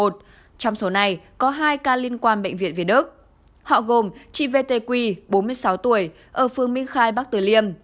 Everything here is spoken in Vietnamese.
trong số này có hai ca liên quan bệnh viện việt đức họ gồm chị vt quy bốn mươi sáu tuổi ở phương minh khai bắc từ liêm